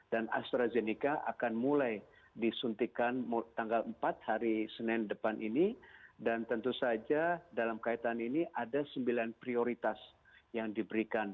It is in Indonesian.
dan astrazeneca akan mulai disuntikan tanggal empat hari senin depan ini dan tentu saja dalam kaitan ini ada sembilan prioritas yang diberikan